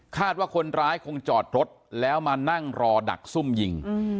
ว่าคนร้ายคงจอดรถแล้วมานั่งรอดักซุ่มยิง